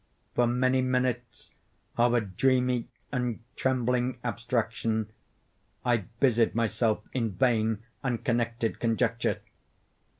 For many minutes of a dreamy and trembling abstraction, I busied myself in vain, unconnected conjecture.